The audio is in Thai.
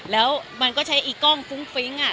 แล้วมันก็ใช้อีกล้องฟุ้งฟริ้ง